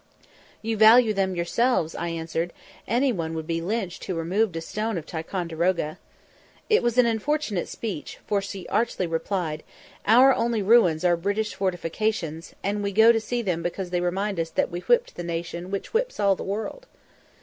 "You value them yourselves," I answered; "any one would be 'lynched' who removed a stone of Ticonderoga." It was an unfortunate speech, for she archly replied, "Our only ruins are British fortifications, and we go to see them because they remind us that we whipped the nation which whips all the world."